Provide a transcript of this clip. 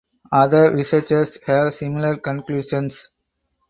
Other researchers have similar conclusions.